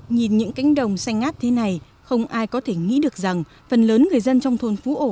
nhìn những cánh đồng xanh ngát thế này không ai có thể nghĩ được rằng phần lớn người dân trong thôn phú ổ